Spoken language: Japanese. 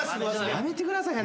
やめてください